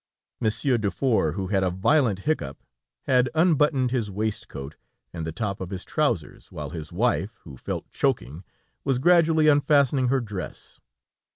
Monsieur Dufour, who had a violent hiccough, had unbuttoned his waistcoat, and the top of his trousers, while his wife, who felt choking, was gradually unfastening her dress.